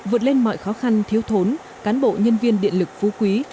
vượt lên mọi khó khăn thiếu thốn cán bộ nhân viên điện lực phú quý